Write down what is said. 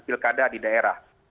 pilkada di daerah